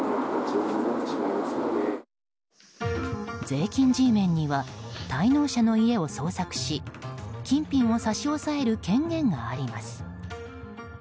税金Ｇメンには滞納者の家を捜索し金品を差し押さえる権限があります。